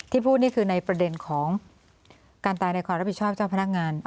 พูดนี่คือในประเด็นของการตายในความรับผิดชอบเจ้าพนักงาน